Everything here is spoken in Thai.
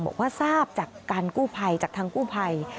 บอกว่าทราบจากการกู้ภัยจากทางกู้ภัย